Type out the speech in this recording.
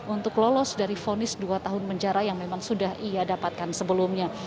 untuk lolos dari fonis dua tahun penjara yang memang sudah ia dapatkan sebelumnya